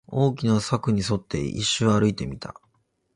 大きな柵に沿って、一周歩いてみた